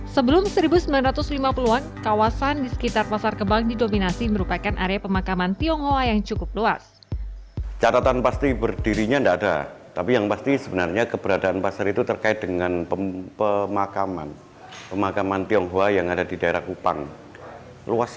sebelum seribu sembilan ratus lima puluh an kawasan di sekitar pasar kembang didominasi merupakan area pemakaman tionghoa yang cukup luas